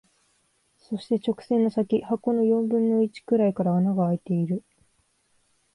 そして、直線の先、箱の四分の一くらいから穴が空いている。